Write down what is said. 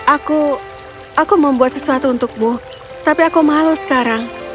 aku aku membuat sesuatu untukmu tapi aku malu sekarang